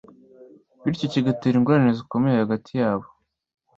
bityo kigatera ingorane zikomeye hagati yabo